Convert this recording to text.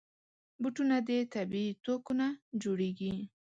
بوټونه د طبعي توکو نه جوړېږي.